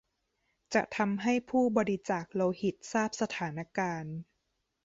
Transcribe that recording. จะทำให้ผู้บริจาคโลหิตทราบสถานการณ์